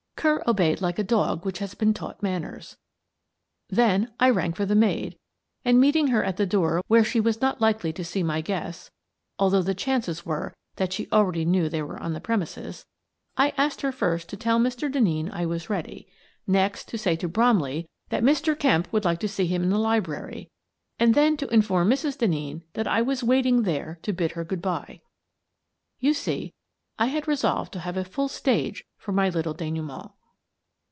Kerr obeyed like a dog which has been taught manners. Then I rang for the maid and, meeting her at the door where she was not likely to see my guests, — although the chances were that she already knew they were on the premises, — I asked her first to tell Mr. Denneen I was ready; next to say to Bromley that Mr. Kemp would like to see him in the library, and then to inform Mrs. Den neen that I was waiting there to bid her good bye. You see, I had resolved to have a full stage for my little denouement.